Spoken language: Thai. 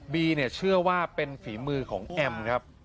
เชื่อว่าเป็นฝีมือของแอมครับ